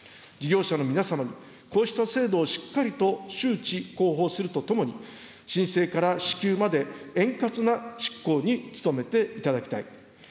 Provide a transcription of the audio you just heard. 事業者の皆様に、こうした制度をしっかりと周知、広報するとともに、申請から支給まで、円滑な執行に努めていただきたい。